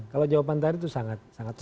kalau jawaban tadi itu sangat sangat